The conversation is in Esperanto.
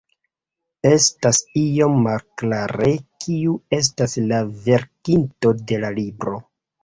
Estas iom malklare, kiu estas la verkinto de la libro.